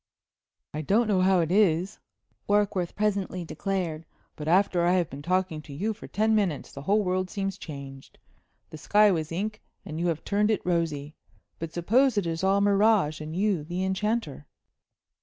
"I don't know how it is," Warkworth presently declared; "but after I have been talking to you for ten minutes the whole world seems changed. The sky was ink, and you have turned it rosy. But suppose it is all mirage, and you the enchanter?"